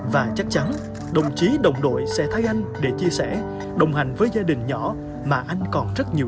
và chắc chắn đồng chí đồng đội sẽ thay anh để chia sẻ đồng hành với gia đình nhỏ mà anh còn rất nhiều